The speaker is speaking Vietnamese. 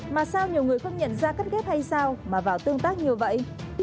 mà sao nhiều người không nhận ra cắt ghép hay sao mà vào tương tác như vậy